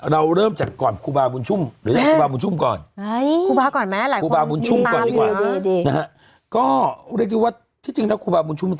เราเริ่มก่อนครูบาบุญชุม